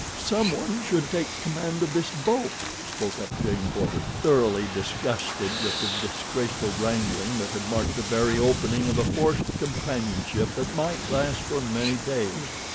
"Some one should take command of this boat," spoke up Jane Porter, thoroughly disgusted with the disgraceful wrangling that had marked the very opening of a forced companionship that might last for many days.